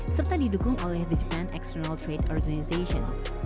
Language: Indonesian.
serta didukung oleh the jepang external trade organization